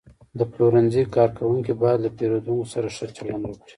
د پلورنځي کارکوونکي باید له پیرودونکو سره ښه چلند وکړي.